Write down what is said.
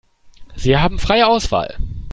Sie haben freie Auswahl.